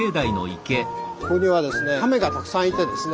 ここにはですね亀がたくさんいてですね。